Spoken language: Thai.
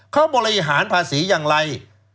เขาบริหารภาษีอย่างไร